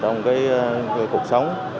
trong cuộc sống